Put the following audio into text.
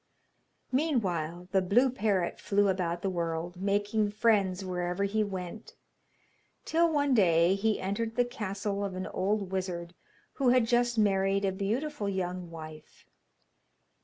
Meanwhile the blue parrot flew about the world, making friends wherever he went, till, one day, he entered the castle of an old wizard who had just married a beautiful young wife.